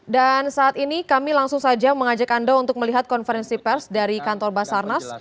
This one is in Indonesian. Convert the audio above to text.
dan saat ini kami langsung saja mengajak anda untuk melihat konferensi pers dari kantor basarnas